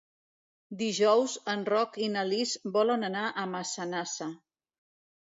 Dijous en Roc i na Lis volen anar a Massanassa.